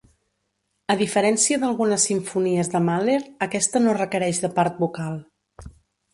A diferència d'algunes simfonies de Mahler, aquesta no requereix de part vocal.